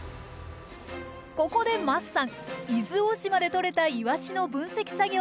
ここで桝さん伊豆大島でとれたイワシの分析作業をお手伝い。